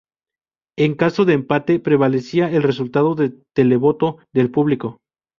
En caso de empate prevalecía el resultado del televoto del público.